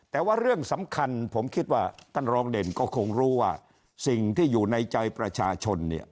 แต่ว่าเรื่องสำคัญผมคิดว่าท่านรองเด่นก็คงรู้ว่าสิ่งที่อยู่ในใจประชาชนเนี่ย